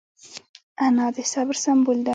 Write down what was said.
انا د صبر سمبول ده